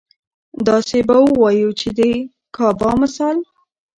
داسې به اووايو چې د ګابا مثال